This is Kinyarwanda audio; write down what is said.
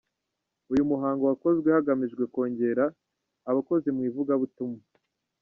Uyu muhango wakozwe hagamijwe kongera abakozi mu ivugabutumwa.